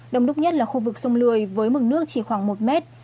đông đúc nhất là khu vực sông lười với mực nước chỉ khoảng một mét